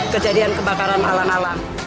kejadian kebakaran alang alang